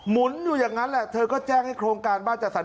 หุนอยู่อย่างนั้นแหละเธอก็แจ้งให้โครงการบ้านจัดสรร